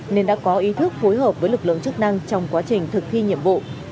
nên đã có ý thức phối hợp với lực lượng chức năng trong quá trình thực thi nhiệm vụ